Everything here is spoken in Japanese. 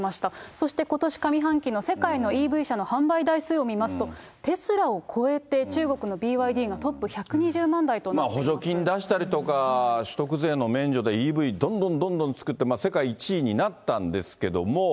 そしてことし上半期の世界のＥＶ車の販売台数を見ますと、テスラを超えて、中国のＢＹＤが、トップ、補助金出したりだとか、取得税の免除でＥＶ、どんどんどんどん作って、世界１位になったんですけども。